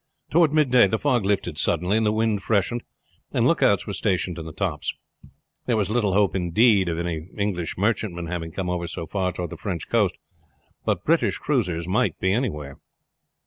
Toward midday the fog lifted suddenly and the wind freshened, and lookouts were stationed in the tops. There was little hope indeed of any English merchantmen having come over so far toward the French coast, but British cruisers might be anywhere.